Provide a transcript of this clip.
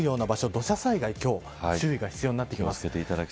土砂災害に注意が必要になってきます。